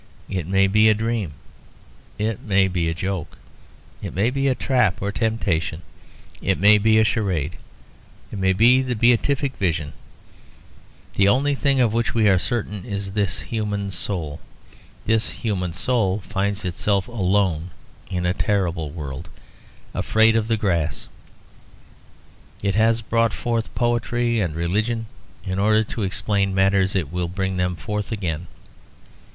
It may be a dream, it may be a joke, it may be a trap or temptation, it may be a charade, it may be the beatific vision: the only thing of which we are certain is this human soul. This human soul finds itself alone in a terrible world, afraid of the grass. It has brought forth poetry and religion in order to explain matters; it will bring them forth again.